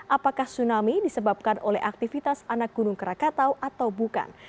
apakah tsunami disebabkan oleh aktivitas anak gunung krakatau atau bukan